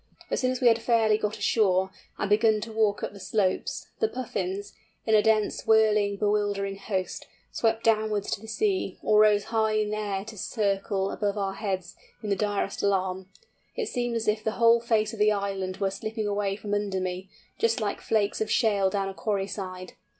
As soon as we had fairly got ashore, and begun to walk up the slopes, the Puffins, in a dense whirling bewildering host, swept downwards to the sea, or rose high in air to circle above our heads, in the direst alarm. It seemed as if the whole face of the island were slipping away from under me, just like flakes of shale down a quarry side!